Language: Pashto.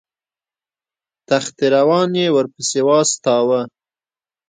تخت روان یې ورپسې واستاوه.